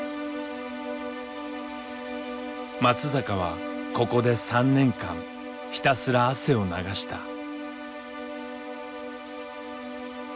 松坂はここで３年間ひたすら汗を流した。